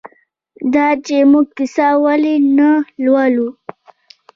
دا چې موږ کیسه ولې نه لولو؟